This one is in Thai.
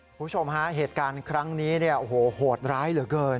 คุณผู้ชมฮะเหตุการณ์ครั้งนี้เนี่ยโอ้โหโหดร้ายเหลือเกิน